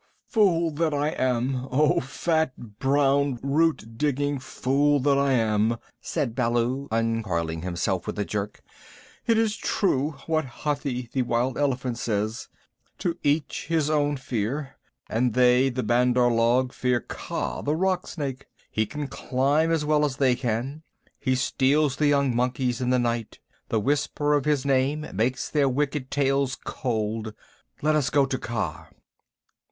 "Fool that I am! Oh, fat, brown, root digging fool that I am," said Baloo, uncoiling himself with a jerk, "it is true what Hathi the Wild Elephant says: `To each his own fear'; and they, the Bandar log, fear Kaa the Rock Snake. He can climb as well as they can. He steals the young monkeys in the night. The whisper of his name makes their wicked tails cold. Let us go to Kaa."